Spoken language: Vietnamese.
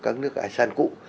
các nước asean cũ